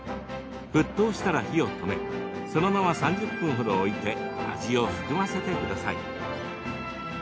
沸騰したら火を止めそのまま３０分ほど置いて味を含ませてください。